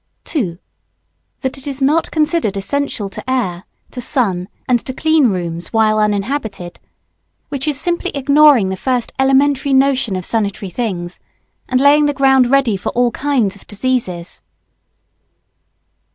2. That it is not considered essential to air, to sun, and to clean rooms while uninhabited; which is simply ignoring the first elementary notion of sanitary things, and laying the ground ready for all kinds of diseases.